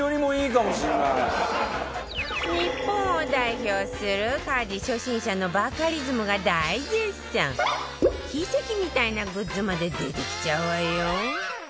日本を代表する家事初心者の奇跡みたいなグッズまで出てきちゃうわよ